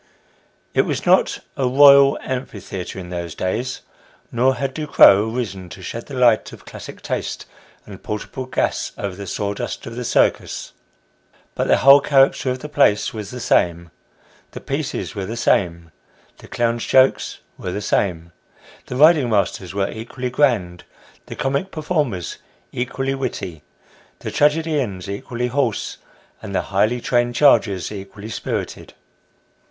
It was not a " Royal Amphitheatre " in those days, nor had Ducrow arisen to shed the light of classic taste and portable gas over the sawdust of the circus ; but the whole character of the place was the same, the pieces were the same, the clown's jokes were the same, the riding masters were equally grand, the comic performers equally witty, the tragedians equally hoarse, and the "highly trained chargers" equally spirited.